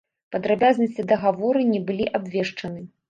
Падрабязнасці дагаворы не былі абвешчаны.